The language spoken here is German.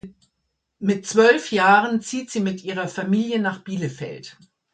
Mit zwölf Jahren zieht sie mit ihrer Familie nach Bielefeld.